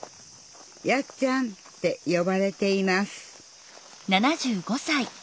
「やっちゃん」ってよばれています